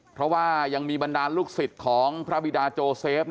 เพราะว่ายังมีบรรดาลูกศิษย์ของพระบิดาโจเซฟ